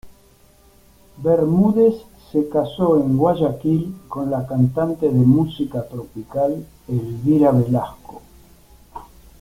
Bermúdez se casó en Guayaquil con la cantante de música tropical, Elvira Velasco.